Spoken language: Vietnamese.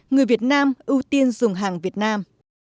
người việt nam ưu tiên dùng hàng việt nam